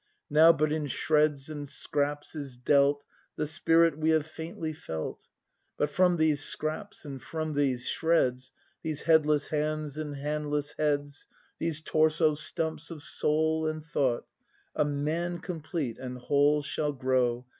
Now but in shreds and scraps is dealt The Spirit we have faintly felt; But from these scraps and from these shreds, These headless hands and hand less heads, These torso stumps of soul and thought, A Man complete and whole shall grow.